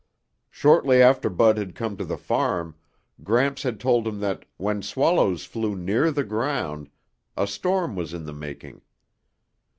Shortly after Bud had come to the farm, Gramps had told him that, when swallows flew near the ground, a storm was in the making.